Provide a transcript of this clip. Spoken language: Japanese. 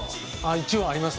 一応あります